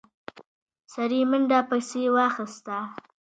سړي منډه پسې واخيسته.